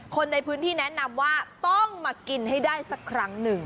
คนในพื้นที่แนะนำว่าต้องมากินให้ได้สักครั้งหนึ่ง